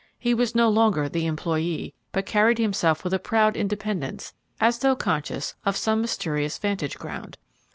He was no longer the employee, but carried himself with a proud independence, as though conscious of some mysterious vantage ground.